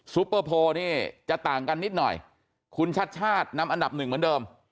ปเปอร์โพลนี่จะต่างกันนิดหน่อยคุณชัดชาตินำอันดับหนึ่งเหมือนเดิม